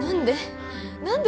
何で？